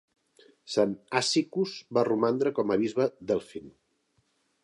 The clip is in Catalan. Sant Asicus va romandre com a bisbe d'Elphin.